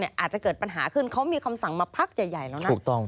อาจจะเกิดปัญหาขึ้นเขามีคำสั่งมาพักใหญ่แล้วนะถูกต้อง